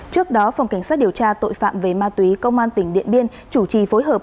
trước đó phòng cảnh sát điều tra tội phạm về ma túy công an tp hcm chủ trì phối hợp